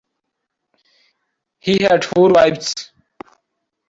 He had four wives.